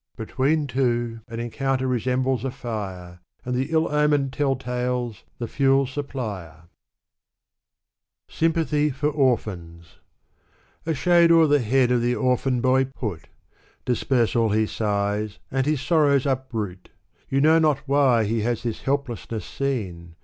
Between two, an encounter resembles a fire. And the ill omened te]l tales the fuel supplier. ¥ Digitized by Google Sa'di. Sybipathy for Orphans. A shade o'er the head of the orphan boy put ! Disperse all his sighs and his sorrows uproot ! You know not why he has this helplessness seen